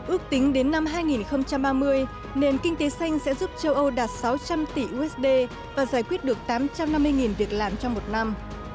ước tính đến năm hai nghìn ba mươi nền kinh tế xanh sẽ giúp châu âu đạt sáu trăm linh tỷ usd và giải quyết được tám trăm năm mươi việc làm trong một năm